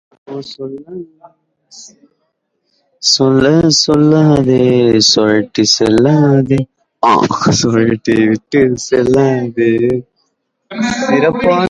இங்குள்ள விமானங்கள், இன்னம்பர் முதலிய கோயில்களில் உள்ள விமானங்கள் கஜப்பிரஷ்டம் என்னும் முறையிலே அரை வட்டமாக அமைந்திருப்பதையும் பார்த்திருக்கிறோம்.